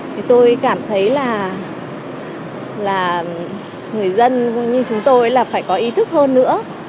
thì tôi cảm thấy là người dân như chúng tôi là phải có ý thức hơn nữa